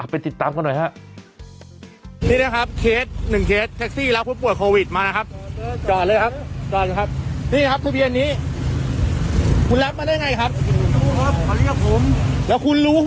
ไปติดตามกันหน่อยครับ